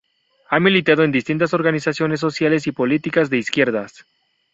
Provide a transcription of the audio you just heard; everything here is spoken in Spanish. Ha militado en distintas organizaciones sociales y políticas de izquierdas.